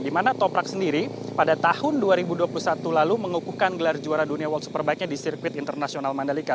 di mana toprak sendiri pada tahun dua ribu dua puluh satu lalu mengukuhkan gelar juara dunia world superbike nya di sirkuit internasional mandalika